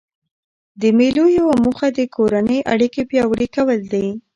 د مېلو یوه موخه د کورنۍ اړیکي پیاوړي کول دي.